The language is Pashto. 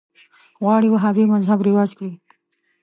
غواړي وهابي مذهب رواج کړي